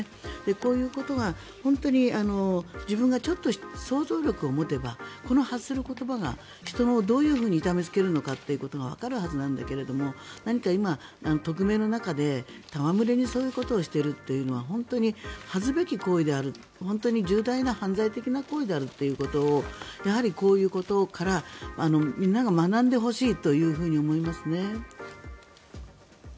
こういうことが本当に自分がちょっと想像力を持てばこの発する言葉が人をどういうふうに痛めつけるかっていうことがわかるはずなんだけど何か今、匿名の中でたわむれにそういうことをしているというのは本当に恥ずべき行為である本当に重大な犯罪的な行為であるということをやはりこういうことからみんなが学んでほしいと思いますね。